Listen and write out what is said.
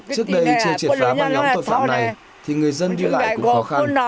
trước đây trời triệt phá băng lắm tội phạm này thì người dân đi lại cũng khó khăn